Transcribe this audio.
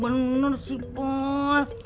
waduh wangi bener si pun